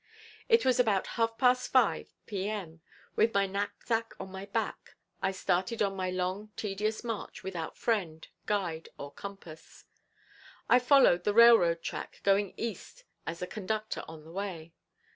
It was about half past five P. M. with my knapsack on my back, I started on my long tedious march without friend, guide or compass. I followed the railroad track going east as a conductor on the way.